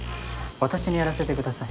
私にやらせてください。